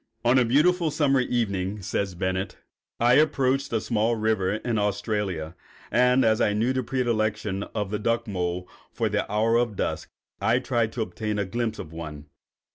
] "On a beautiful summer evening," says Bennett, "I approached a small river in Australia, and as I knew the predilection of the duck mole for the hour of dusk, I tried to obtain a glimpse of one.